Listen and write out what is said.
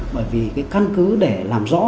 bởi vì cái căn cứ để làm rõ